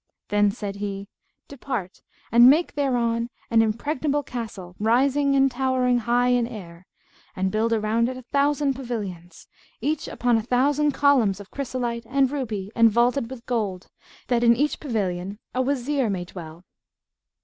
Then said he, "Depart and make thereon an impregnable castle, rising and towering high in air, and build around it a thousand pavilions, each upon a thousand columns of chrysolite and ruby and vaulted with gold, that in each pavilion a Wazir may dwell."